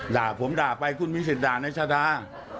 ด่าผมด่าไปคุณมิสินดานัยชาดา